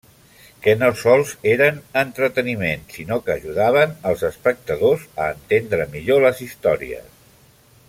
Que no sols eren entreteniment sinó que ajudaven als espectadors a entendre millor les històries.